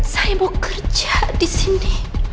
saya mau kerja disini